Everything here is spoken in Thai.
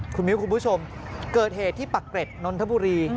คุณมิ้วคุณผู้ชมเกิดเหตุที่ปักเกร็ดนนทบุรี